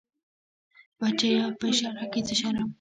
بچيه په شرع کې څه شرم.